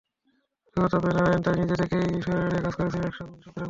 সতর্কবার্তা পেয়ে নারাইন তাই নিজে থেকেই সরে দাঁড়িয়ে কাজ করছিলেন অ্যাকশন শোধরানোর।